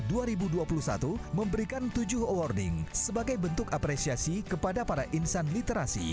dua ribu dua puluh satu memberikan tujuh awarding sebagai bentuk apresiasi kepada para insan literasi